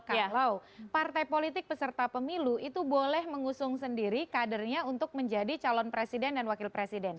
kalau partai politik peserta pemilu itu boleh mengusung sendiri kadernya untuk menjadi calon presiden dan wakil presiden